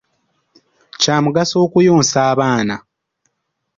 Kya mugaso okuyonsa abaana.